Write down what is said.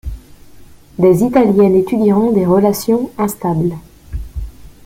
Des italiennes étudieront des relations instables.